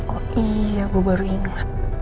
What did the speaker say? oh iya gua baru ingat